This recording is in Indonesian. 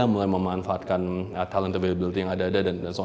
mulai memanfaatkan talent availability yang ada ada dan sebagainya